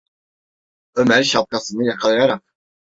Ömer şapkasını yakalayarak: